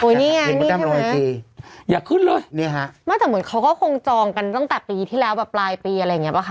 นี่ไงอย่าขึ้นเลยเนี่ยฮะไม่แต่เหมือนเขาก็คงจองกันตั้งแต่ปีที่แล้วแบบปลายปีอะไรอย่างเงี้ป่ะค